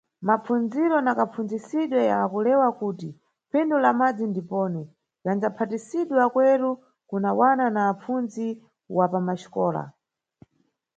Mapfundziro na kapfundzisidwe ya kulewa kuti phindu lá madzi ndiponi, yandzapasidwa kweru, kuna wana na apfundzi wa mʼmaxikola.